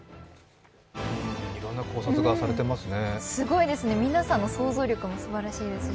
いろんな考察がされていますね。